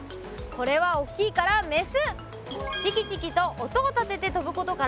これはおっきいからメス！